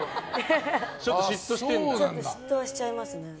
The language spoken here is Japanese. ちょっと嫉妬はしちゃいます。